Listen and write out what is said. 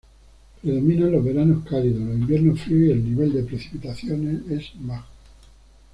Predominan los veranos cálidos, los inviernos fríos y el nivel de precipitaciones es bajo.